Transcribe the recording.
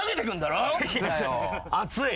熱い。